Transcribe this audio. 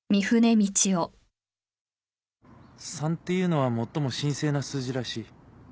３っていうのは最も神聖な数字らしい。